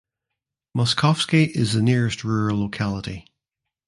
Moskovsky is the nearest rural locality.